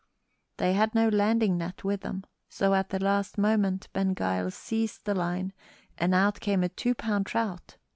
They had no landing net with them, so at the last moment Ben Gile seized the line, and out came a two pound trout.